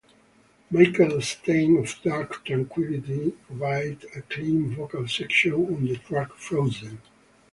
Mikael Stanne, of Dark Tranquillity, provided a clean vocal section on the track "Frozen".